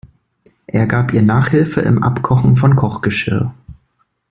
Er gab ihr Nachhilfe im Abkochen von Kochgeschirr.